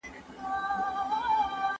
زه به سبا کالي وچوم؟!